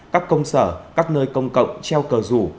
các công sở các nơi công cộng treo cờ rủ